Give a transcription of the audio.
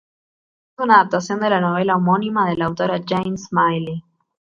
Es una adaptación de la novela homónima de la autora Jane Smiley.